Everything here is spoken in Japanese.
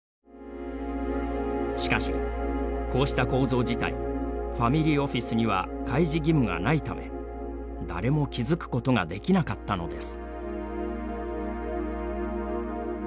しかし、こうした構造自体ファミリーオフィスには開示義務がないため誰も気付くことができなかったのです。